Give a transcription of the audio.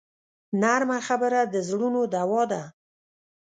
نرمه خبره د زړونو دوا ده